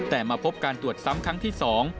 แต่มาพบการตรวจซ้ำครั้งที่๒